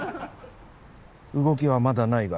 動きはまだないが。